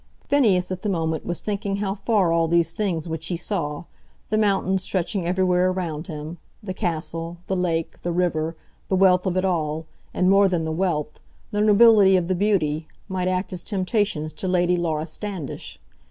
Phineas, at the moment, was thinking how far all these things which he saw, the mountains stretching everywhere around him, the castle, the lake, the river, the wealth of it all, and, more than the wealth, the nobility of the beauty, might act as temptations to Lady Laura Standish.